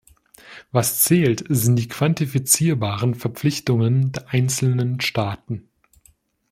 Was zählt, sind die quantifizierbaren Verpflichtungen der einzelnen Staaten.